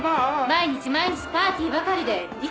毎日毎日パーティーばかりで息が詰まる！